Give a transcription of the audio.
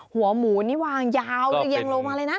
หัวหมูนี่วางยาวเรียงลงมาเลยนะ